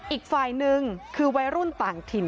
อีกฟ้ายหนึ่งคือไวร่ร่วมต่างถิ่น